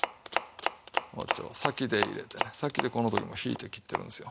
包丁の先で入れてね先でこの時も引いて切ってるんですよ。